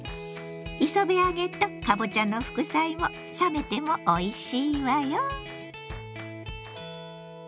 磯辺揚げとかぼちゃの副菜も冷めてもおいしいわよ！